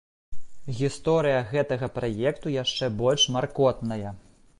Гісторыя гэтага праекту яшчэ больш маркотная.